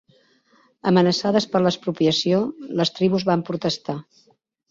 Amenaçades per l'expropiació, les tribus van protestar.